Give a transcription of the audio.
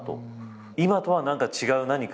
今とは違う何か。